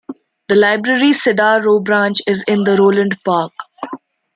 The library's Cedar Roe branch is in Roeland Park.